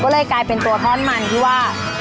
ก็เลยกลายเป็นตัวท่อนมันที่ว่า